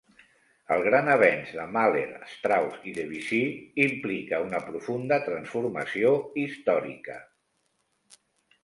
El gran "avenç" de Mahler, Strauss i Debussy implica una profunda transformació històrica...